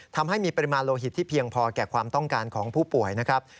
ทำให้มีปริมาณโลหิตที่เพียงพอแก่ความต้องการของผู้ป่วยนะครับ